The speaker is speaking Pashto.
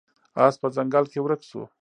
اس په ځنګل کې ورک شو.